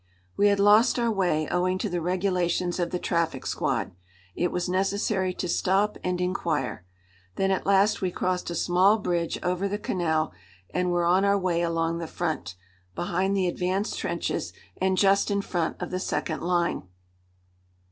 We had lost our way, owing to the regulations of the traffic squad. It was necessary to stop and inquire. Then at last we crossed a small bridge over the canal, and were on our way along the front, behind the advanced trenches and just in front of the second line.